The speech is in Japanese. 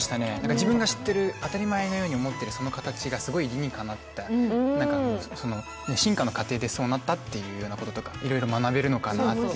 自分が知ってる、当たり前に思ってるものがすごい理にかなった、進化の過程でそうなったってことがいろいろ学べるのかなっていう。